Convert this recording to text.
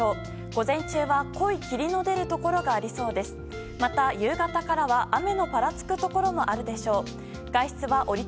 午前中は濃い霧の出るところがありそうです。